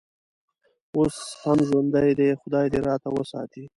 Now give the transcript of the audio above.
اوس هم ژوندی دی، خدای دې راته وساتي.